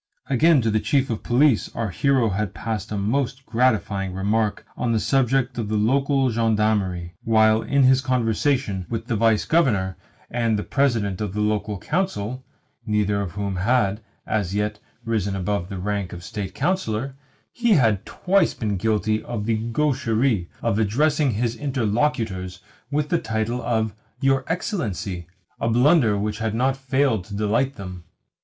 Again, to the Chief of Police our hero had passed a most gratifying remark on the subject of the local gendarmery; while in his conversation with the Vice Governor and the President of the Local Council (neither of whom had, as yet, risen above the rank of State Councillor) he had twice been guilty of the gaucherie of addressing his interlocutors with the title of "Your Excellency" a blunder which had not failed to delight them.